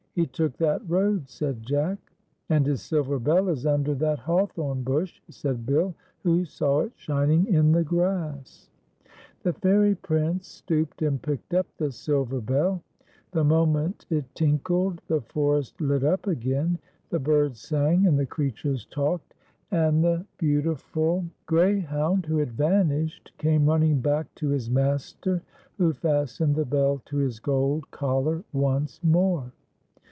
" He took that road," said Jack. " And his silver bell is under that hawthorn bush," said Bill, who saw it shining in the grass. The Fair}' Prince stooped and picked up the silver bell. The monient it tinkled the forest lit up again, the birds sang and the creatures talked, and the beau T/rSV'S SILVER BELL. 12$ tiful greyhound, who had vanished, came ninnln;^^ back to his master, who fastened the bell to liis gold collar once more.